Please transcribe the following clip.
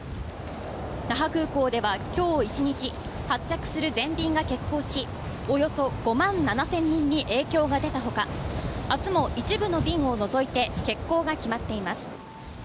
那覇空港では、今日１日発着する全便が欠航しおよそ５万７０００人に影響が出たほか明日も一部の便を除いて欠航が決まっています。